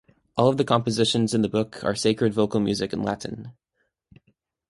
All of the compositions in the book are sacred vocal music in Latin.